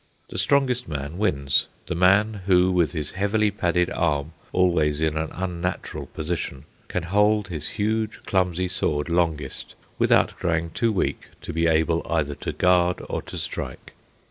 The strongest man wins; the man who, with his heavily padded arm, always in an unnatural position, can hold his huge clumsy sword longest without growing too weak to be able either to guard or to strike.